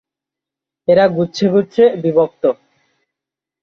এরা গুচ্ছে গুচ্ছে বিভক্ত।